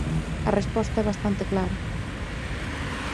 A resposta é bastante clara.